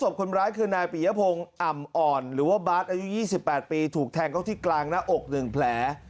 โอ้โฮโอ้โฮโอ้โฮโอ้โฮโอ้โฮโอ้โฮโอ้โฮโอ้โฮโอ้โฮโอ้โฮโอ้โฮโอ้โฮ